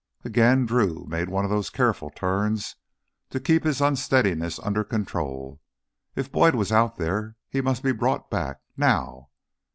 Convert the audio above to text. Again, Drew made one of those careful turns to keep his unsteadiness under control. If Boyd was out there, he must be brought back now!